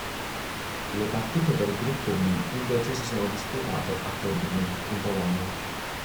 Le partite del Gruppo B invece si sono disputate a Toruń, in Polonia.